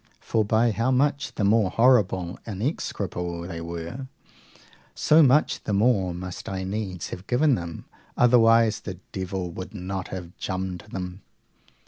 For, by how much the more horrible and execrable they were, so much the more must I needs have given them, otherwise the devil would not have jummed them.